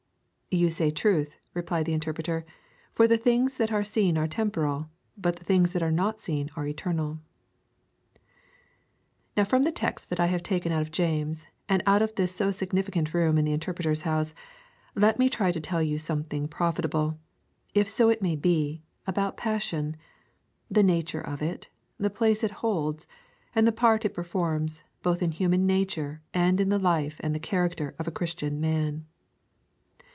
'You say truth,' replied the Interpreter, 'for the things that are seen are temporal, but the things that are not seen are eternal.' Now from the texts that I have taken out of James and out of this so significant room in the Interpreter's House, let me try to tell you something profitable, if so it may be, about passion; the nature of it, the place it holds, and the part it performs both in human nature and in the life and the character of a Christian man.